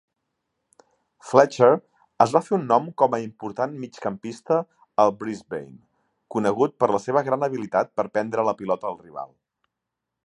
Fletcher es va fer un nom com a important migcampista al Brisbane, conegut per la seva gran habilitat per prendre la pilota al rival.